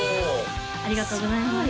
ありがとうございます